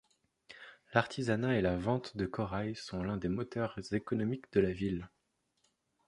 L’artisanat et la vente de corail sont l’un des moteurs économiques de la ville.